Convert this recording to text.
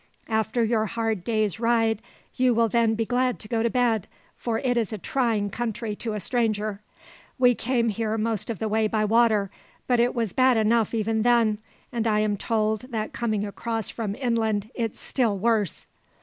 After your hard day's ride you will then be glad to go to bed, for it is a trying country to a stranger. We came here most of the way by water, but it was bad enough even then; and I am told that coming across from inland it's still worse."